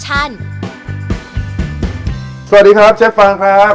สวัสดีครับเชฟฟังครับ